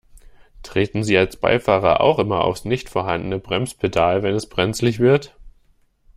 Treten Sie als Beifahrer auch immer aufs nicht vorhandene Bremspedal, wenn es brenzlig wird?